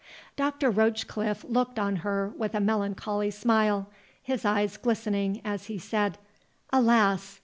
Dr. Rochecliffe looked on her with a melancholy smile, his eyes glistening as he said, "Alas!